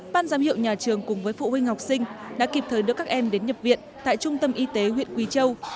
ban giám hiệu nhà trường cùng với phụ huynh học sinh đã kịp thời đưa các em đến nhập viện tại trung tâm y tế huyện quỳ châu